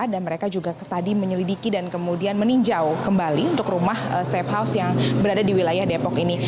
dan mereka juga tadi menyelidiki dan kemudian meninjau kembali untuk rumah safe house yang berada di wilayah depok ini